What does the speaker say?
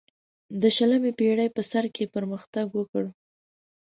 د شلمې پیړۍ په سر کې پرمختګ وکړ.